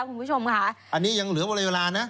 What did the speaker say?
คุณผู้ชมค่ะอันนี้ยังเหลือเวลานะ